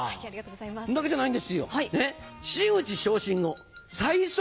これだけじゃないんですよ。